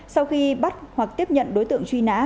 sau khi bắt hoặc tiếp nhận đối tượng truy nã